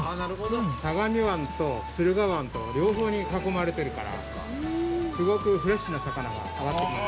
相模湾と駿河湾と両方に囲まれてるからすごくフレッシュな魚が揚がってきます。